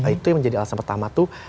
itu yang menjadi alasan pertama tuh